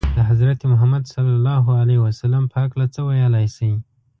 د حضرت محمد ﷺ په هکله څه ویلای شئ؟